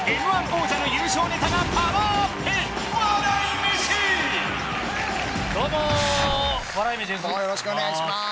Ｍ−１王者の優勝ネタがパワーアップどうも笑い飯です